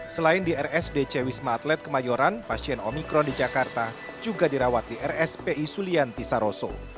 selain di rsdc wisma atlet kemayoran pasien omikron di jakarta juga dirawat di rspi sulianti saroso